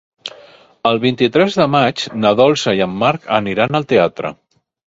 El vint-i-tres de maig na Dolça i en Marc aniran al teatre.